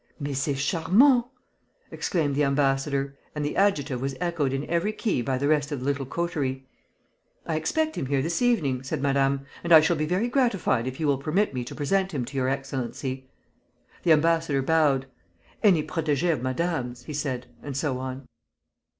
"Mais c'est charmant!" exclaimed the ambassador; and the adjective was echoed in every key by the rest of the little coterie. "I expect him here this evening," said Madame; "and I shall be very much gratified if you will permit me to present him to your excellency." The ambassador bowed. "Any protégée of Madame's," he said, and so on.